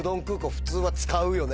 普通は使うよね？